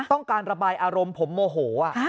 ต้องการระบายอารมณ์ผมโมโห